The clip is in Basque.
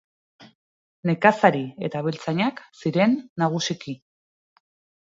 Nekazari eta abeltzainak ziren nagusiki.